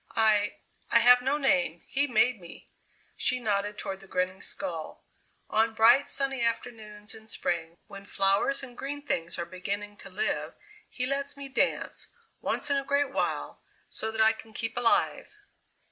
"I I have no name he made me!" She nodded toward the grinning skull. "On bright sunny afternoons in spring, when flowers and green things are beginning to live, he lets me dance, once in a great while, so that I can keep alive!"